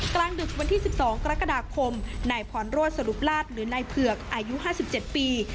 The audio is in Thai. กลางดึกวันที่สิบสองกรกฎาคมนายพรโรสสรุปราชหรือในเผือกอายุห้าสิบเจ็ดปี